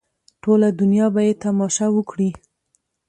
ټوله دنیا به یې تماشه وکړي.